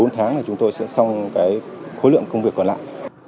ba bốn tháng thì chúng tôi sẽ xong khối lượng công việc còn lại